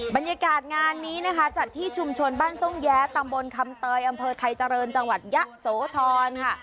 บรรยากาศงานนี้นะคะจัดที่ชุมชนบ้านทรงแย้ตำบลคำเตยอำเภอไทยเจริญจังหวัดยะโสธรค่ะ